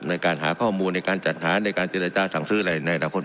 ในการหาข้อมูลในการจัดหาในการเจรจาสั่งซื้อในหลักข้น